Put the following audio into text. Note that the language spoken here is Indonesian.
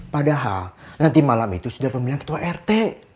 padahal nanti malam itu sudah pemilihan ketua rt